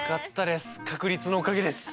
確率のおかげです。